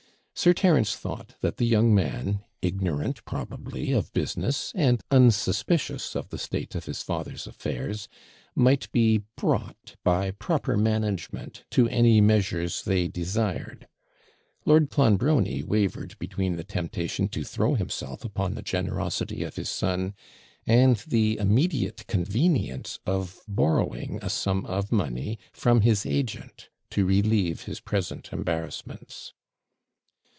Sir Terence thought that the young man, ignorant probably of business, and unsuspicious of the state of his father's affairs, might be brought, by proper management, to any measures they desired. Lord Clonbrony wavered between the temptation to throw himself upon the generosity of his son, and the immediate convenience of borrowing a sum of money from his agent, to relieve his present embarrassments.